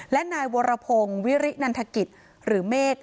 และนายวรพงศ์วิรินันทกิจหรือเมฆ